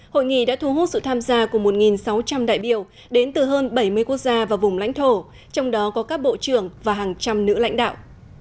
hội nghị đã thu hút sự tham gia của một sáu trăm linh đại biểu đến từ hơn bảy mươi quốc gia và vùng lãnh thổ trong đó có các bộ trưởng và hàng trăm nữ lãnh đạo